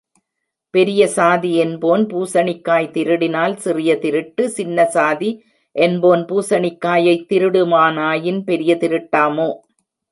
பெரிய சாதி என்போன் பூசணிக்காய் திருடினால் சிறிய திருட்டு, சின்னசாதி என்போன் பூசணிக்காயைத் திருடுவானாயின் பெரிய திருட்டாமோ.